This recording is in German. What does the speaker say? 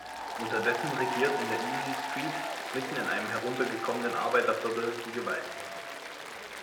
Unterdessen regiert in der Easy Street, mitten in einem heruntergekommenen Arbeiterviertel, die Gewalt.